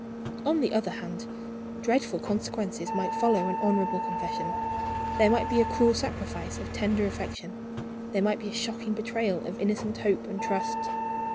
On the other hand, dreadful consequences might follow an honorable confession. There might be a cruel sacrifice of tender affection; there might be a shocking betrayal of innocent hope and trust."